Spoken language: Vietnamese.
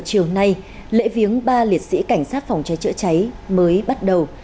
đúng một mươi ba h chiều nay lễ viếng ba liệt sĩ cảnh sát phòng chế chữa cháy mới bắt đầu